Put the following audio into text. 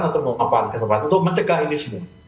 atau memanfaatkan kesempatan untuk mencegah ini semua